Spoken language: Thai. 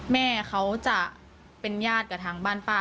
แม่เขาจะเป็นญาติกับทางบ้านป้า